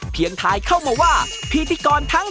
มีมีถัง